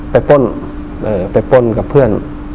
ป้นไปป้นกับเพื่อน